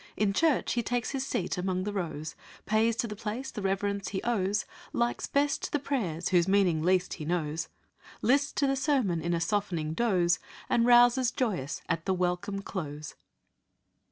In church he takes his seat among the rows, Pays to the place the reverence he owes, Likes best the prayers whose meaning least he knows, Lists to the sermon in a softening doze, And rouses joyous at the welcome close."